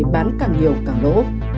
bán càng nhiều càng lỗ